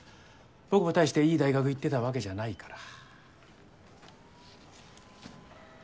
僕も大していい大学行ってたわけじゃないから。